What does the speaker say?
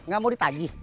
gak mau ditagi